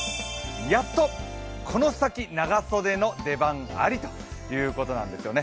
やっと、この先長袖の出番ありということなんですよね。